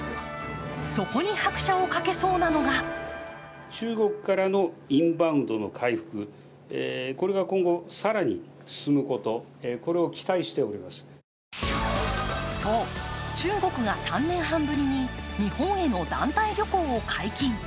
そこに拍車をかけそうなのがそう、中国が３年半ぶりに日本への団体旅行を解禁。